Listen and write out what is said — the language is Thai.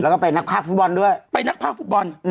แล้วก็เป็นนักภาคฟุตบอลด้วยเป็นนักภาคฟุตบอล